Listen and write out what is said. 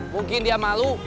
mungkin dia malu